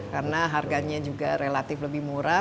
karena harganya juga relatif lebih murah